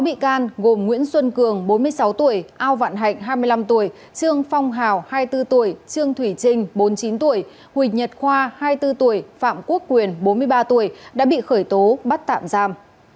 bốn bị can gồm nguyễn xuân cường bốn mươi sáu tuổi ao vạn hạnh hai mươi năm tuổi trương phong hào hai mươi bốn tuổi trương thủy trình bốn mươi chín tuổi huỳnh nhật khoa hai mươi bốn tuổi phạm quốc quyền bốn mươi ba tuổi đã bị khởi tố bắt tạm giam